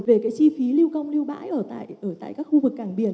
về cái chi phí lưu công lưu bãi ở tại các khu vực cảng biển